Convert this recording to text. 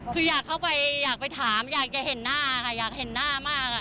คืออยากเข้าไปอยากไปถามอยากจะเห็นหน้าค่ะอยากเห็นหน้ามาก